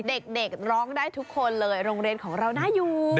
เด็กร้องได้ทุกคนเลยโรงเรียนของเราน่าอยู่